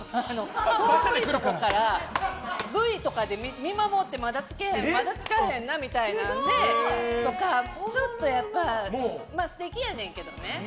遠いところからＶとかで見守ってまだ着かへんなみたいなのでちょっとやっぱ素敵やねんけどね。